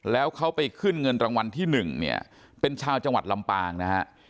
แล้วเขาไปขึ้นเงินรางวัลที่๑เนี่ยเป็นชาวจังหวัดลำปางนะฮะ